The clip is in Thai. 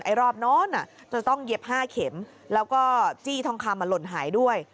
รอบโน้นจะต้องเย็บ๕เข็มแล้วก็จี้ทองคำหล่นหายด้วย